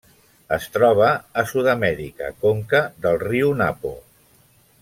Es troba a Sud-amèrica: conca del riu Napo.